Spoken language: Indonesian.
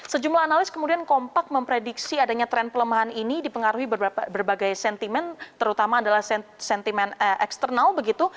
sejumlah analis kemudian kompak memprediksi adanya tren pelemahan ini dipengaruhi berbagai sentimen terutama adalah sentimen eksternal begitu